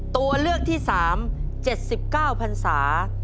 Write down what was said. ตัวเลือกที่๓๗๙พันศา